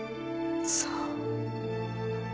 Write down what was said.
そう。